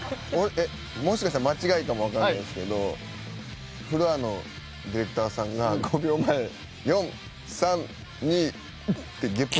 もしかしたら間違いかもわからないですけどフロアのディレクターさんが「５秒前４３２ウッ」ってゲップ。